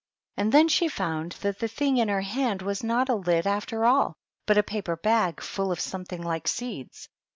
And then she found that the thing in her hand was not a lid after all, but a paper bag full of something like seeds.